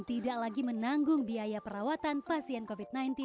tidak lagi menanggung biaya perawatan pasien covid sembilan belas